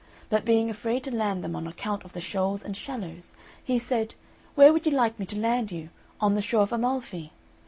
But being afraid to land them on account of the shoals and shallows, he said, "Where would you like me to land you? On the shore of Amalfi?"